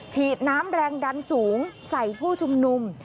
ฉีดน้ำแรงดันสูงใส่ผู้ชุมนุม